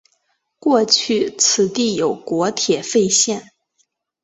过去此地有国铁废线。